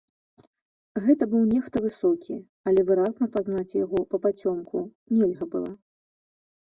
Гэта быў нехта высокі, але выразна пазнаць яго папацёмку нельга было.